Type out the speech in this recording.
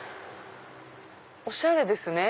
おしゃれですね。